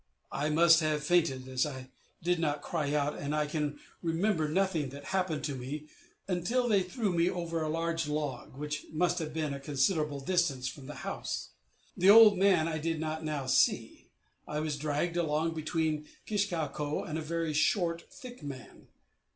I must have fainted, as I did not cry out, and I can remember nothing that happened to me until they threw me over a large log, which must have been at a considerable distance from the house. The old man I did not now see; I was, dragged along between Kish kau ko and a very short thick man.